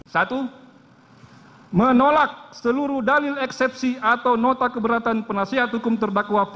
satu menolak seluruh dalil eksepsi atau nota keberatan penasihat hukum terdakwa